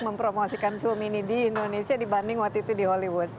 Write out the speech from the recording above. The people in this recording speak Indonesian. mempromosikan film ini di indonesia dibanding waktu itu di hollywood